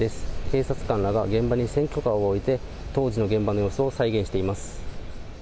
警察官らが現場に選挙カーを置いて、当時の現場の様子を再現しています。